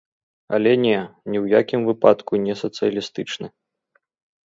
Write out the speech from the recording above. Але не, ні ў якім выпадку не сацыялістычны.